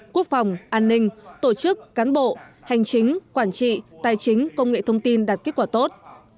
quốc phòng an ninh tổ chức cán bộ hành chính quản trị tài chính công nghệ thông tin đạt kết quả tốt